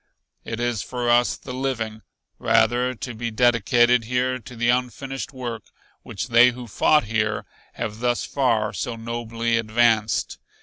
It is for us the living, rather, to be dedicated here to the unfinished work which they who fought here have thus far so nobly advanced.